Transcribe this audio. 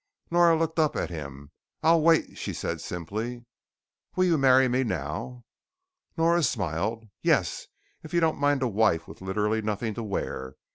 Nora looked up at him. "I'll wait," she said simply. "Will you marry me now?" Nora smiled. "Yes. If you don't mind a wife with literally nothing to wear.